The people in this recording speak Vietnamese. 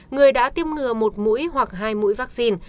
người đã tiêm ngừa một mũi hoặc hai mũi vaccine